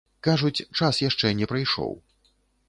Кажуць, час яшчэ не прыйшоў.